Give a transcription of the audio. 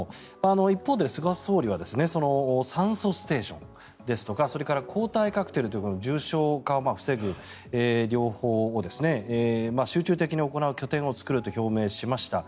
一方で菅総理は酸素ステーションですとかそれから抗体カクテルという重症化を防ぐ療法を集中的に行う拠点を作ると表明しました。